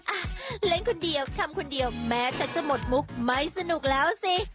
อ่ะเล่นคนเดียวทำคนเดียวแม้จะหมดมุกไม่สนุกแล้วสิ